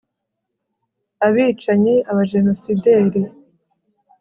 abicanyi, abajenosideri